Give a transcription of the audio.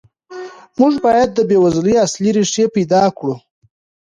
موږ باید د بېوزلۍ اصلي ریښې پیدا کړو.